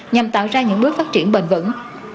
nhằm tạo ra những bước phát triển bền vững